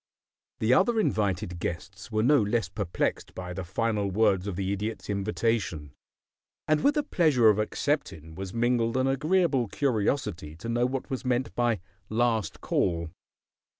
The other invited guests were no less perplexed by the final words of the Idiot's invitation, and with the pleasure of accepting was mingled an agreeable curiosity to know what was meant by "Last Call."